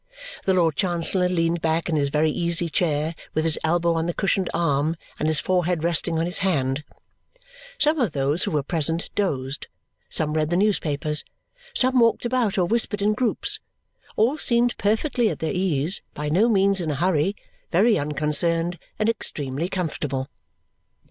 The Lord Chancellor leaned back in his very easy chair with his elbow on the cushioned arm and his forehead resting on his hand; some of those who were present dozed; some read the newspapers; some walked about or whispered in groups: all seemed perfectly at their ease, by no means in a hurry, very unconcerned, and extremely comfortable.